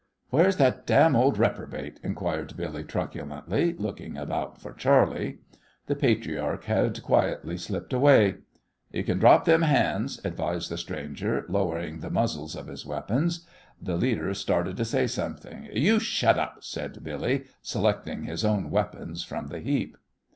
"Where's that damn ol' reprobate?" inquired Billy, truculently, looking about for Charley. The patriarch had quietly slipped away. "You kin drop them hands," advised the stranger, lowering the muzzles of his weapons. The leader started to say something. "You shut up!" said Billy, selecting his own weapons from the heap.